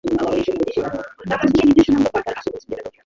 তিনি সর্বাধিক শ্রদ্ধা অর্জন করেছিলেন।